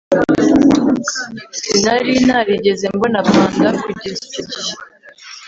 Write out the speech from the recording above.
Sinari narigeze mbona panda kugeza icyo gihe